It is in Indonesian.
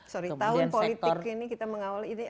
sorry tahun politik ini kita mengawal ini